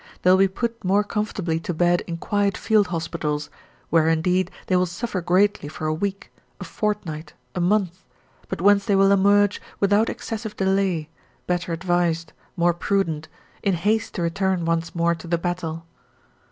They will be put more comfortably to bed in quiet field hospitals, where indeed they will suffer greatly for a week, a fortnight, a month, but whence they will emerge without excessive delay, better advised, more prudent, in haste to return once more to the battle.